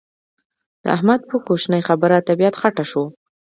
د احمد په کوشنۍ خبره طبيعت خټه شو.